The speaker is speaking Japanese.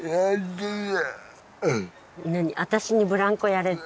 「私にブランコやれ」って？